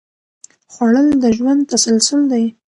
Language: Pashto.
خوړل د ژوند تسلسل دی